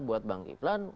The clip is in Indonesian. buat bang kiflan